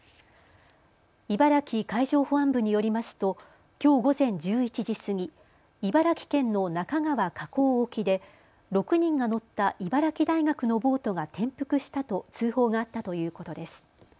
茨城海上保安部によりますときょう午前１１時過ぎ、茨城県の那珂川河口沖で６人が乗った茨城大学のボートが転覆したと通報があったということです。